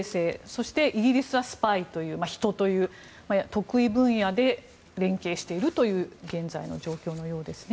そして、イギリスはスパイ、人という得意分野で連携しているという現在の状況のようですね。